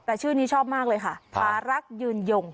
แต่ชื่อนี้ชอบมากเลยค่ะพารักยืนยง